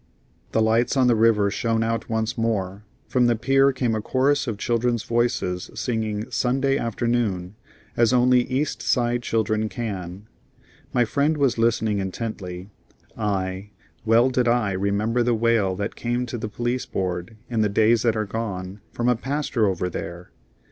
The lights on the river shone out once more. From the pier came a chorus of children's voices singing "Sunday Afternoon" as only East Side children can. My friend was listening intently. Aye, well did I remember the wail that came to the Police Board, in the days that are gone, from a pastor over there.